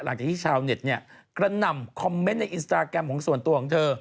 หลังจากที่ชาวเน็ตเนี่ยกระหน่ำคอมเมนต์ในอินสตาแกรมของส่วนตัวของเธอ